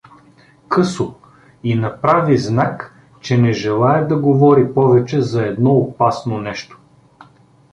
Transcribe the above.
Късо… И направи знак, че не желае да говори повече за едно опасно нещо.